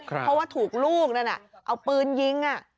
เพราะว่าถูกลูกนั่นเอาปืนยิง